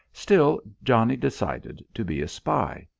Still, Johnnie decided to be a spy.